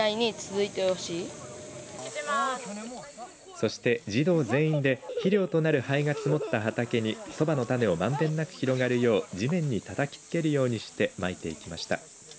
そして児童全員で肥料となる灰が積もった畑にそばの種をまんべんなく広がるよう地面にたたきつけるようにしてまいていきました。